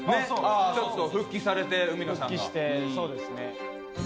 ちょっと復帰されて海野さんが。復帰してそうですね。